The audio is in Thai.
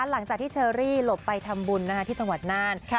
หลังจากที่เชอรี่หลบไปทำบุญที่จังหวัดน่าน